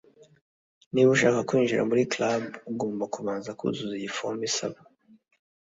niba ushaka kwinjira muri club, ugomba kubanza kuzuza iyi fomu isaba